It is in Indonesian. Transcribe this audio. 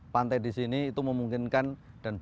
pantai di sini akan berhasil menyelamatkan telur